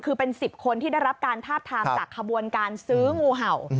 คือเป็น๑๐คนที่ได้รับการทาบทามจากขบวนการซื้องูเห่า